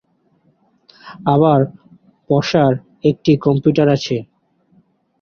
আবার বাসায় একটি কম্পিউটার আছে।